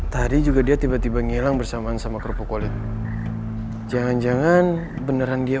tari juga dia tiba tiba ngilang bersamaan sama kerupuk kulit jangan jangan beneran dia